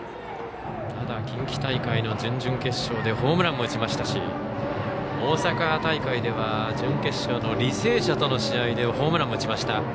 近畿大会の準々決勝でホームランも打ちましたし大阪大会では準決勝の履正社との試合でホームランも打ちました。